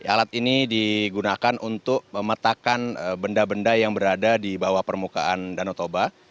alat ini digunakan untuk memetakan benda benda yang berada di bawah permukaan danau toba